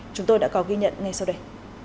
chúng tôi đã có ghi nhận ngay sau đây